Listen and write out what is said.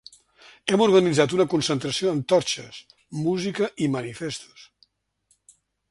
Hem organitzat una concentració amb torxes, música i manifestos.